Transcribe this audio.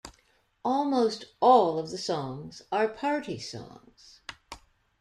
Almost all of the songs are party songs.